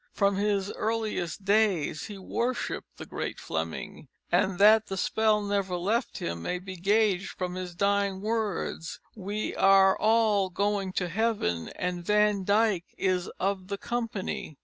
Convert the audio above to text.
From his earliest days he worshipped the great Fleming, and that the spell never left him may be gauged from his dying words: "We are all going to Heaven, and Van Dyck is of the company."